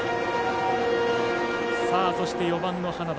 そして、４番の花田。